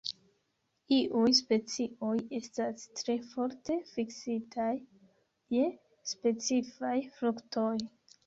Iuj specioj estas tre forte fiksitaj je specifaj fruktoj.